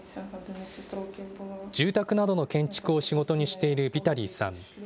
住宅などの建築を仕事にしているビタリーさん。